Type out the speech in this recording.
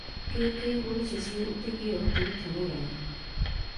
কে কে বলে চেঁচিয়ে উঠতে গিয়েও তিনি থেমে গেলেন।